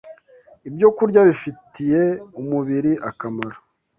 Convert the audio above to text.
ibyokurya bifitiye umubiri akamaro.